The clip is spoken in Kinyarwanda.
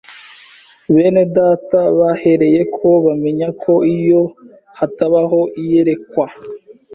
Bene data bahereyeko bamenya ko iyo hatabaho iyerekwa